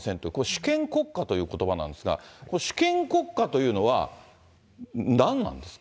主権国家ということばなんですが、主権国家というのは、何なんです